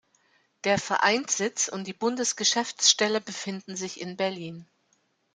Der Vereinssitz und die Bundesgeschäftsstelle befinden sich in Berlin.